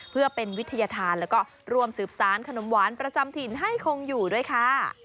เพื่อเป็นวิทยาธารแล้วก็รวมสืบสารขนมหวานประจำถิ่นให้คงอยู่ด้วยค่ะ